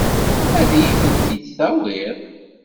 Ad iyi-tent-id-tawiḍ?